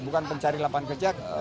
bukan pencari lapangan kerja